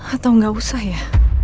atau gak usah ya